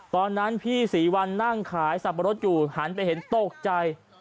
ตอนนั้นพี่ศรีวัลนั่งขายสับปะรดอยู่หันไปเห็นตกใจ